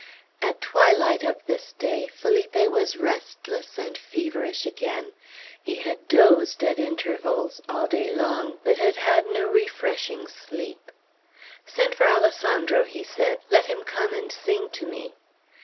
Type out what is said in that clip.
At twilight of this day Felipe was restless and feverish again. He had dozed at intervals all day long, but had had no refreshing sleep. "Send for Alessandro," he said. "Let him come and sing to me."